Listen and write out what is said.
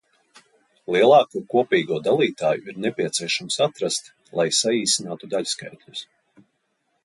Lielāko kopīgo dalītāju ir nepieciešams atrast, lai saīsinātu daļskaitļus.